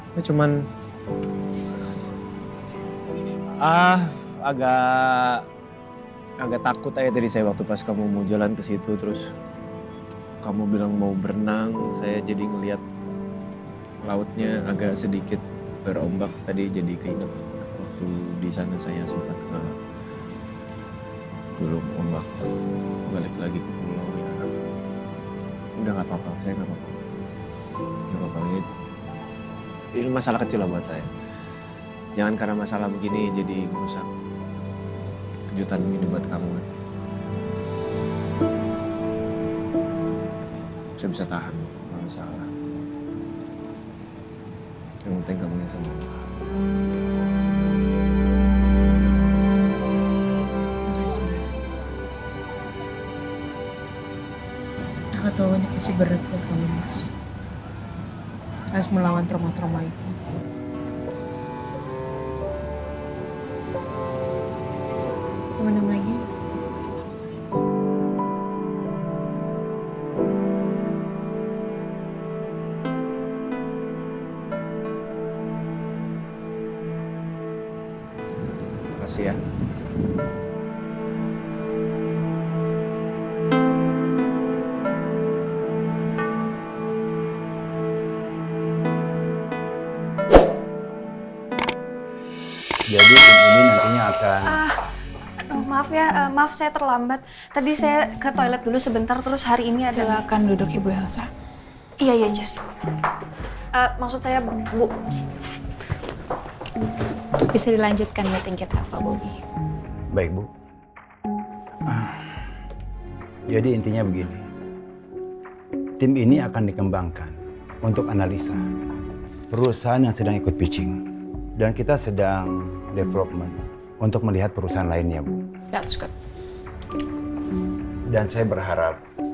jangan lupa like share dan subscribe channel ini untuk dapat info terbaru